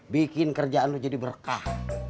bikin kerjaan lo jadi berkah